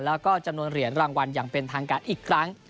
แล้วก็จำนวนเหรียญรางวัลอย่างเป็นทางการอีกครั้ง